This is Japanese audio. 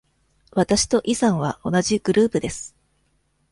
わたしとイさんは同じグループです。